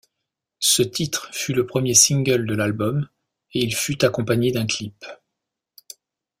Ce titre fut le premier single de l'album et il fut accompagné d'un clip.